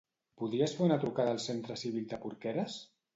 Podries fer una trucada al centre cívic de Porqueres?